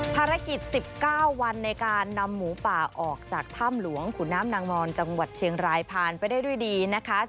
ภารกิจ๑๙วันในการนำหมูป่าออกจากถ้ำหลวงขุนน้ำนางมอนจังหวัดเชียงรายผ่านไปได้ด้วยดีนะคะ